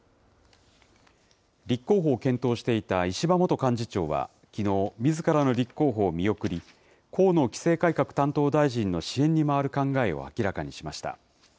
立候補を検討していた石破元幹事長はきのう、みずからの立候補を見送り、河野規制改革担当大臣の支援に回る考えを明らかにしました。